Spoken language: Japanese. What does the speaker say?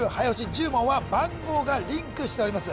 １０問は番号がリンクしております